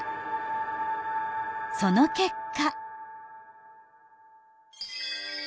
その結果。